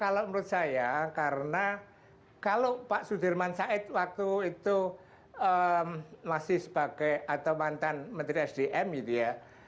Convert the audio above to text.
kalau menurut saya karena kalau pak sudirman said waktu itu masih sebagai atau mantan menteri sdm gitu ya